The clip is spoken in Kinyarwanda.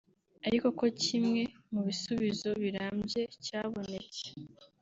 ariko ko kimwe mu bisubizo birambye cyabonetse